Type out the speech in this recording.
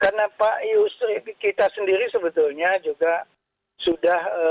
karena pak yusril kita sendiri sebetulnya juga sudah